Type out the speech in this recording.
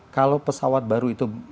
kalau pesawat baru itu